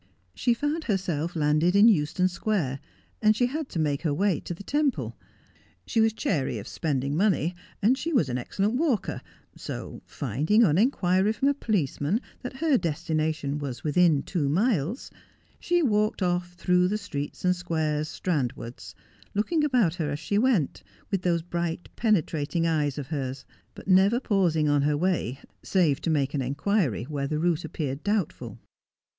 She found herself landed in Euston Square, and she had to make her way to the Temple. She was chary of spending money, and she was an excellent walker, so finding, on inquiry from a policeman, that her destination was within two miles, she walked off through the streets and squares, Strand wards, looking about her as she went, with those bright, penetrating eyes of hers, but never pausing on her way, save to make an inquiry where the route appeared doubtful.